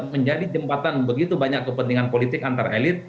menjadi jembatan begitu banyak kepentingan politik antar elit